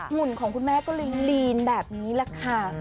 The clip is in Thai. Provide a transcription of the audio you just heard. หุ่นของคุณแม่ก็ลีนแบบนี้แหละค่ะ